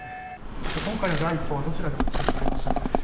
今回の第一報はどちらで知りましたか。